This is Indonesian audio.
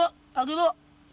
bu lagi bu